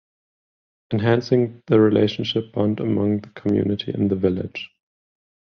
Enhancing the relationship bond among the community in the village.